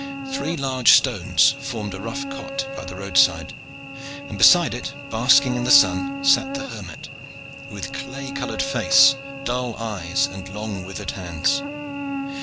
Three large stones formed a rough cot by the roadside, and beside it, basking in the sun, sat the hermit, with clay colored face, dull eyes, and long withered hands.